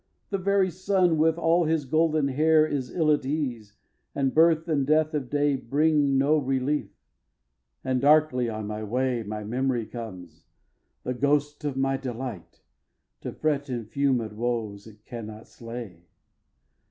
The very sun with all his golden hair Is ill at ease, and birth and death of day Bring no relief; and darkly on my way My memory comes, the ghost of my Delight, To fret and fume at woes it cannot slay.